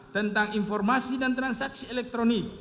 tentang informasi dan transaksi elektronik